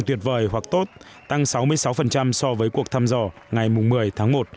tuyệt vời hoặc tốt tăng sáu mươi sáu so với cuộc thăm dò ngày một mươi tháng một